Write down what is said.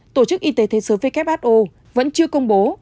tổ chức y tế thế giới who vẫn chưa công bố